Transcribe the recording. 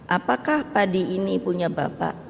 apakah padi ini punya bapak